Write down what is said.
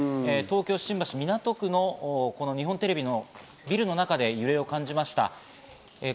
東京・港区新橋の日本テレビのビルの中で揺れを感じました。